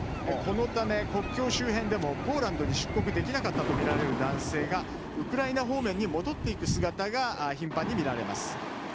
このため国境周辺でもポーランドに出国できなかったとみられるみられる男性がウクライナ方面に戻っていく姿が頻繁に見られます。